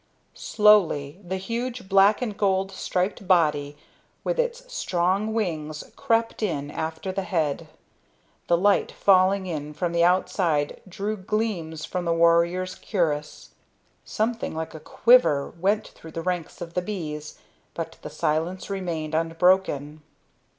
Slowly the huge black and gold striped body with its strong wings crept in after the head. The light falling in from the outside drew gleams from the warrior's cuirass. Something like a quiver went through the ranks of the bees, but the silence remained unbroken.